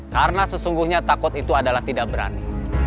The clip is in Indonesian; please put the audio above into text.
karena sesungguhnya takut itu adalah tidak berani